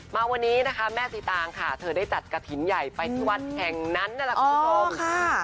มาวันนี้นะคะแม่สีตางค่ะเธอได้จัดกระถิ่นใหญ่ไปที่วัดแห่งนั้นนั่นแหละคุณผู้ชม